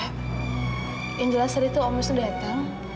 yang jelas tadi tuh om wisnu datang